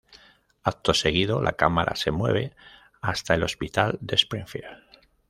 Acto seguido, la cámara se mueve hasta el hospital de Springfield.